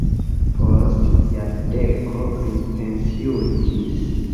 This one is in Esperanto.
Post jardeko li pensiuliĝis.